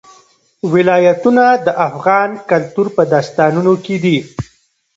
ولایتونه د افغان کلتور په داستانونو کې دي.